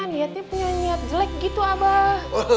niatnya punya niat jelek gitu abah